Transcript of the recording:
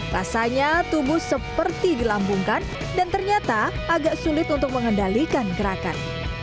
rasanya tubuh seperti dilambungkan dan ternyata agak sulit untuk mengendalikan gerakan